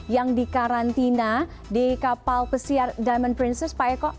yang dikarantina di kapal pesiar diamond princess